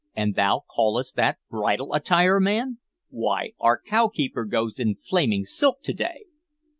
"And thou callest that bridal attire, man! Why, our cow keeper goes in flaming silk to day!"